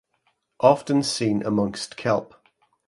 Often seen amongst kelp.